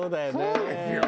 そうですよ。